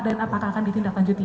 dan apakah akan ditindaklanjuti